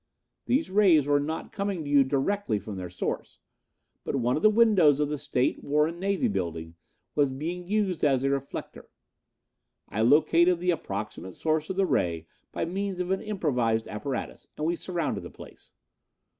These rays were not coming to you directly from their source, but one of the windows of the State, War and Navy Building was being used as a reflector. I located the approximate source of the ray by means of an improvised apparatus, and we surrounded the place.